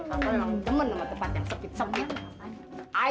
aku memang temen sama tempat yang sakit sekali